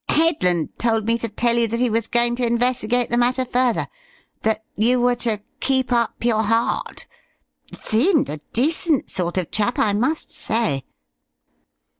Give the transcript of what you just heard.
"Headland told me to tell you that he was going to investigate the matter further. That you were to keep up your heart.... Seemed a decent sort of a chap, I must say."